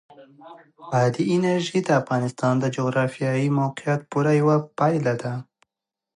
بادي انرژي د افغانستان د جغرافیایي موقیعت پوره یوه پایله ده.